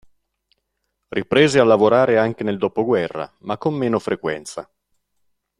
Riprese a lavorare anche nel dopoguerra ma con meno frequenza.